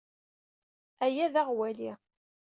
Aya d aɣwali.